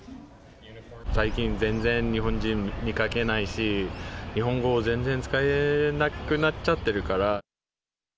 最近、全然日本人見かけないし、日本語全然使えなくなっちゃってるから。